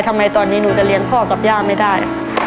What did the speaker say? ทำไมตอนนี้หนูจะเลี้ยงพ่อกับย่าไม่ได้